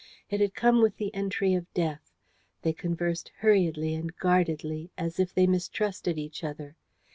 It had come with the entry of death. They conversed hurriedly and guardedly, as if they mistrusted each other.